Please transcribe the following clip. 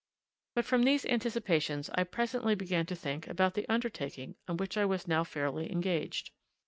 But from these anticipations I presently began to think about the undertaking on which I was now fairly engaged.